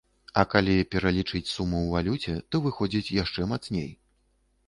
А калі пералічыць суму ў валюце, то выходзіць яшчэ мацней.